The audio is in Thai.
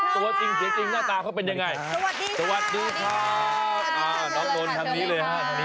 ตัวจริงหน้าตาก็เป็นอย่างไร